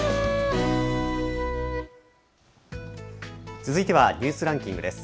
続いてはニュースランキングです。